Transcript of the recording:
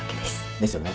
ですよね。